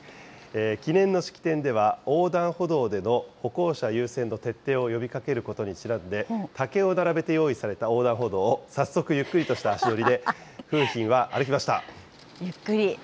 記念の式典では横断歩道での歩行者優先の徹底を呼びかけることにちなんで竹を並べて用意された横断歩道を早速、ゆっくりとした足ゆっくり。